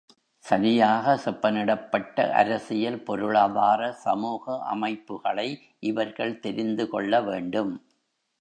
சரியாக செப்பனிடப்பட்ட அரசியல் பொருளாதார சமூக அமைப்புகளை இவர்கள் தெரிந்துகொள்ளவேண்டும்.